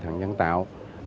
thần nhân tạo